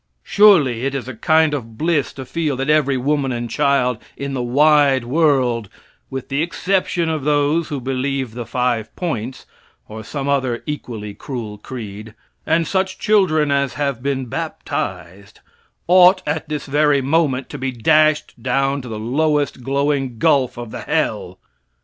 Surely it is a kind of bliss to feel that every woman and child in the wide world, with the exception of those who believe the five points, or some other equally cruel creed, and such children as have been baptized, ought at this very moment to be dashed down to the lowest glowing gulf of the hell!